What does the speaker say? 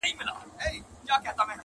پهدهپسېويثوابونهيېدلېپاتهسي-